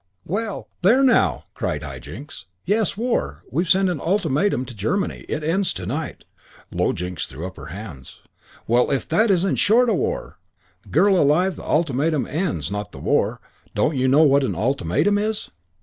"Well, there now!" cried High Jinks. "Yes, war. We've sent an ultimatum to Germany. It ends to night." Low Jinks threw up her hands. "Well, if that isn't a short war!" "Girl alive, the ultimatum ends, not the war. Don't you know what an ultimatum is?"